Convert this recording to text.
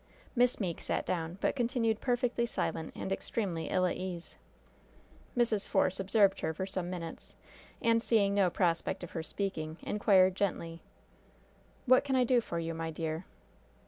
Miss Meeke sat down, but continued perfectly silent and extremely ill at ease. Mrs. Force observed her for some minutes, and seeing no prospect of her speaking, inquired gently: "What can I do for you, my dear?"